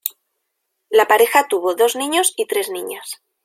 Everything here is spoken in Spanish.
La pareja tuvo dos niños y tres niñas.